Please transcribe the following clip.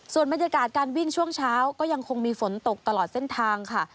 ส่วนบรรยากาศการวิ่งช่วงเช้าก็ยังคงมีฝนตกตลอดเส้นทางค่ะ